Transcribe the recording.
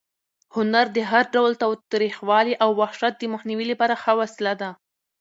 هنر د هر ډول تاوتریخوالي او وحشت د مخنیوي لپاره ښه وسله ده.